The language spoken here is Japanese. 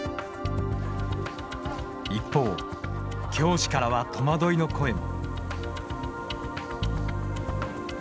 一方、教師からは戸惑いの声も。